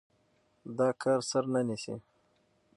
دا کار سر نه نيسي.